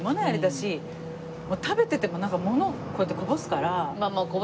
あれだし食べててもなんかものこうやってこぼすから。